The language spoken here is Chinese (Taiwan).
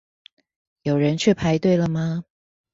有人去排隊了嗎？